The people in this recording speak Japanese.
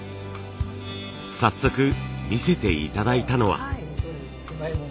早速見せて頂いたのは。